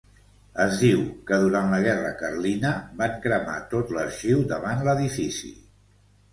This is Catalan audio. Es diu que durant la guerra carlina van cremar tot l'arxiu davant l'edifici.